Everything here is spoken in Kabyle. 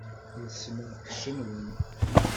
Lsem lqecc-nwen!